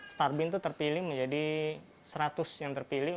starbeam itu terpilih menjadi seratus yang terpilih